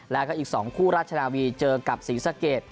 แล้วก็อีก๒คู่ราชนาวีเจอกับศรีสะเกด